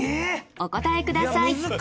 お答えください